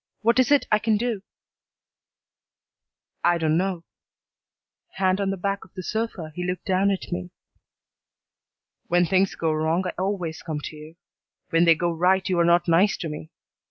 What is it I can do?" "I don't know." Hand on the back of the sofa, he looked down at me. "When things go wrong I always come to you. When they go right you are not nice to me.